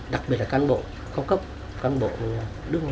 đặc biệt là cán bộ khó cấp